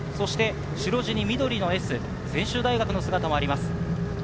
白地に緑のＳ、専修大学の姿もあります。